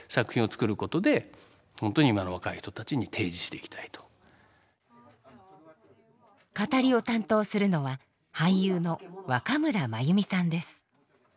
八つの山と語りを担当するのは俳優の若村麻由美さんです。